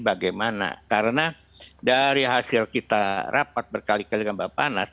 bagaimana karena dari hasil kita rapat berkali kali dengan bapak nas